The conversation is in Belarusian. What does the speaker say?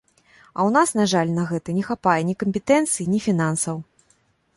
А ў нас, на жаль, на гэта не хапае ні кампетэнцыі, ні фінансаў.